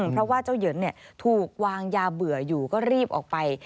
เพราะว่าเจ้าเหยินถูกวางยาเบื่ออยู่ก็รีบออกไป